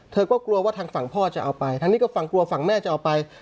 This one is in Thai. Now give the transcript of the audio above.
เธอก็กลัวว่าทางฝั่งพ่อจะเอาไปทางนี้ก็ฝั่งกลัวฝั่งแม่จะเอาไป